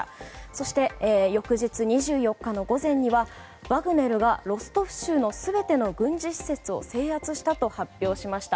そして、翌日２４日の午前にはワグネルがロストフ州の全ての軍事施設を制圧したと発表しました。